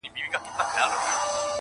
خاموسي لا هم قوي ده تل-